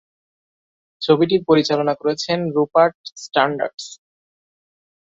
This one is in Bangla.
ছবিটির পরিচালনা করেছেন রুপার্ট স্যান্ডার্স।